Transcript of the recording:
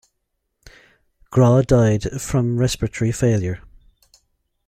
Grau died from respiratory failure.